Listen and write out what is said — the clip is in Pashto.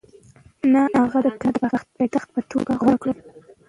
نه، هغه کندهار د پایتخت په توګه غوره کړ.